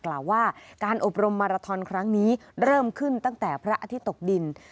กล่าวว่าการอบรมมาราทอนครั้งนี้เริ่มขึ้นตั้งแต่พระอาทิตย์ตกดิน